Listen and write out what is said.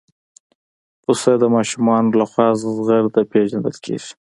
پسه د ماشومانو لخوا زغرده پېژندل کېږي.